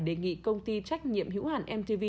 đề nghị công ty trách nhiệm hữu hạn mtv